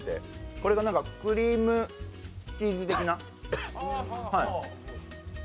これがクリームチーズ的な。